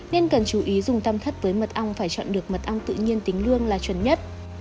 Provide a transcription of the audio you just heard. nên cần chú ý dùng tam thất với mật ong phải chọn được mật ong tự nhiên tính lương là chuẩn nhất